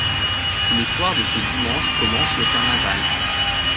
Le soir de ce dimanche commence le carnaval.